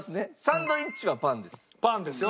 サンドイッチはパンです。